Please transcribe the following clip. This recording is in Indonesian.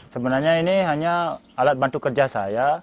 sebenarnya ini hanya alat bantu kerja saya